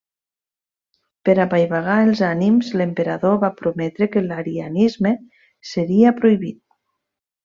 Per apaivagar els ànims l'emperador va prometre que l'arianisme seria prohibit.